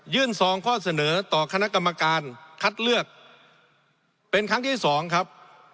ซองข้อเสนอต่อคณะกรรมการคัดเลือกเป็นครั้งที่สองครับ